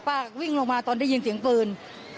วิ่งลงมาตอนได้ยินเสียงปืน